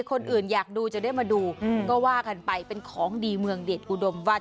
คนอื่นอยากดูจะได้มาดูก็ว่ากันไปเป็นของดีเมืองเดชอุดมวัด